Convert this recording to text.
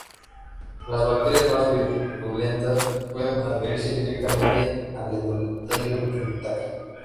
Las bacterias más virulentas pueden adherirse directamente al endotelio intacto.